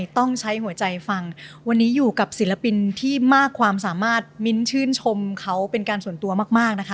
ต้องใช้หัวใจฟังวันนี้อยู่กับศิลปินที่มากความสามารถมิ้นชื่นชมเขาเป็นการส่วนตัวมากนะคะ